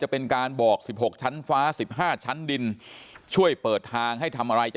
เป็นการบอก๑๖ชั้นฟ้าสิบห้าชั้นดินช่วยเปิดทางให้ทำอะไรจะ